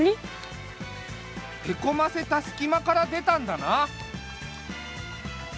へこませたすきまからでたんだな。